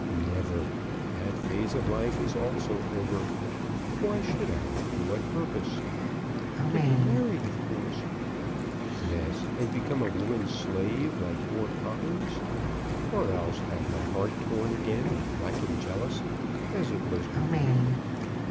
"Never! That phase of life is also over. Why should I? To what purpose?" "To be married, of course." "Yes; and become a woman's slave, like poor Poppins; or else have my heart torn again with racking jealousy, as it was with you.